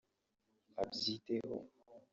abyiteho